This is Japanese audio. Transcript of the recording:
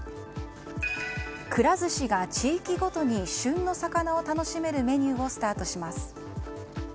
くら寿司が地域ごとに旬の魚を楽しめるメニューをスタートします。